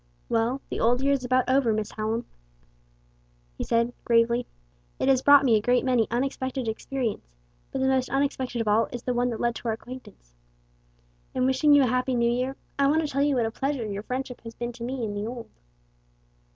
"Well, the old year is about over, Miss Hallam," he said, gravely. "It has brought me a great many unexpected experiences, but the most unexpected of all is the one that led to our acquaintance. In wishing you a happy new year, I want to tell you what a pleasure your friendship has been to me in the old."